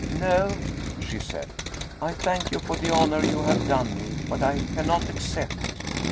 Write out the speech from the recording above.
" No," she said ;" I thank you for the honor you have done me, but I cannot accept."